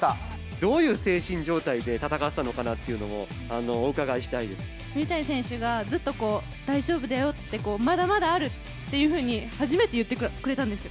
どういう精神状態で戦ったのかなっていうのをお伺いしたいで水谷選手が、ずっと、大丈夫だよって、まだまだあるっていうふうに、初めて言ってくれたんですよ。